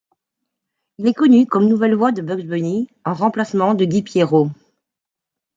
Il est connu comme nouvelle voix de Bugs Bunny, en remplacement de Guy Piérauld.